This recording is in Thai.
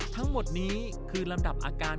ทั้งหมดนี้คือลำดับอาการ